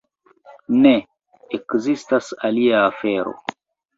Ne: ekzistas alia afero.